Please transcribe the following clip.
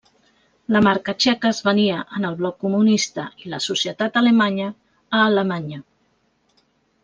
La marca txeca es venia en el bloc comunista i la societat alemanya a Alemanya.